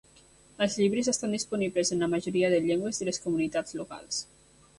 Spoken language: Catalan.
Els llibres estan disponibles en la majoria de llengües de les comunitats locals.